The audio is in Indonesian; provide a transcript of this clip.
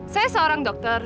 saya seorang dokter